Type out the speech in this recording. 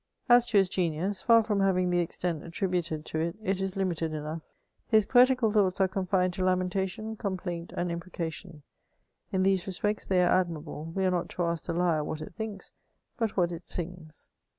As to his gemusy hr from haying the extent attributed to it, it is limited enough; his poetical thoughts are confined to lamentation, compliunt, and imprecation ; in these respects th^ are admirable ; we are not to ask the lyre what it thinks^ but what it sings.